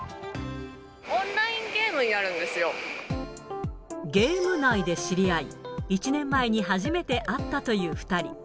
オンラインゲームをやるんでゲーム内で知り合い、１年前に初めて会ったという２人。